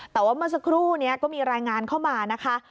แต่ว่าเมื่อสักครู่นี้ก็มีรายงานเข้ามานะคะ